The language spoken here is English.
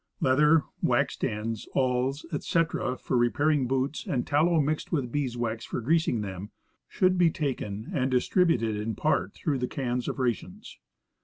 Leather, waxed ends, awls, etc., for repairing boots, and tallow mixed with bees wax for greasing them, should be taken and distributed in part through the cans of rations.